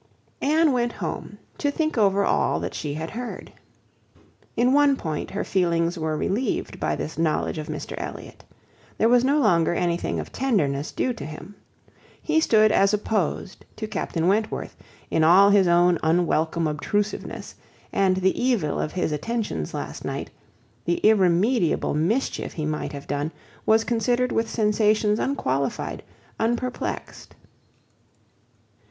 Anne went home to think over all that she had heard. In one point, her feelings were relieved by this knowledge of Mr Elliot. There was no longer anything of tenderness due to him. He stood as opposed to Captain Wentworth, in all his own unwelcome obtrusiveness; and the evil of his attentions last night, the irremediable mischief he might have done, was considered with sensations unqualified, unperplexed.